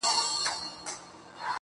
دا سپك هنر نه دى چي څوك يې پــټ كړي.